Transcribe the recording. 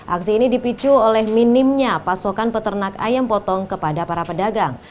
aksi ini dipicu oleh minimnya pasokan peternak ayam potong kepada para pedagang